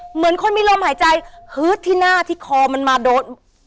เหมือนคนมีลมหายใจฮึดที่หน้าที่คอมันมาโดน